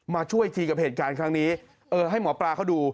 มาช่วยทีกับเหตุการณ์ครั้งนี้เออให้หมอปลาเขาดู